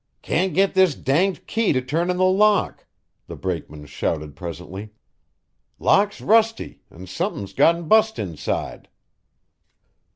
"Can't get this danged key to turn in the lock," the brakeman shouted presently. "Lock's rusty, and something's gone bust inside."